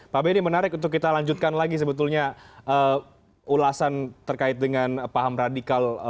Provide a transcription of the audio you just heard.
pak benny menarik untuk kita lanjutkan lagi sebetulnya ulasan terkait dengan paham radikal